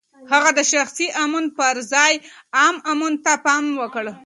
هغه د شخصي امن پر ځای عام امن ته پام وکړ.